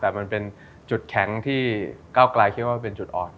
แต่มันเป็นจุดแข็งที่ก้าวกลายคิดว่าเป็นจุดอ่อน